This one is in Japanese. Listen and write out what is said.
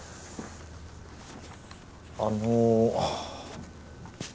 あの。